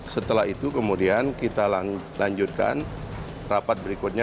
setelah itu kemudian kita lanjutkan rapat berikutnya